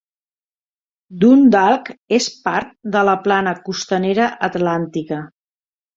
Dundalk és part de la Plana Costanera Atlàntica.